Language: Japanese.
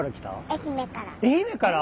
愛媛から！